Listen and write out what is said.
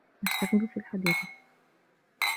أَشْتَغِلُ فِي الْحَديقَةِ.